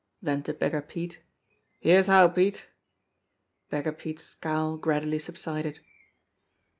Then to Beggar Pete: "Here's how, Pete!" Beggar Pete's scowl gradually subsided.